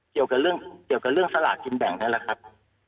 เกี่ยวกับเรื่องเรื่องซาหรักกินแบงค์นั้นแหละครับ